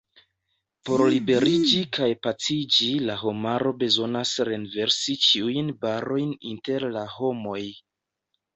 Por liberiĝi kaj paciĝi la homaro bezonas renversi ĉiujn barojn inter la homoj.